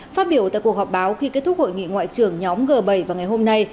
phát biểu tại cuộc họp báo khi kết thúc hội nghị ngoại trưởng nhóm g bảy vào ngày hôm nay